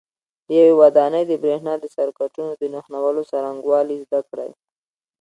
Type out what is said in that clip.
د یوې ودانۍ د برېښنا د سرکټونو د نښلولو څرنګوالي زده کړئ.